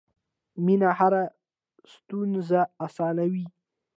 مینه هره ستونزه اسانوي.